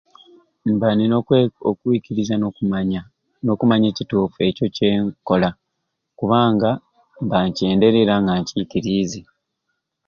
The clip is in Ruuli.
Mba nina okwe okwiikiriza n'okumanya n'okumanya ekituufu ekyo kyennkola kubanga mba nkyenderye ate nga nkikiriize